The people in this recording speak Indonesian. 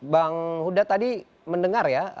bang huda tadi mendengar ya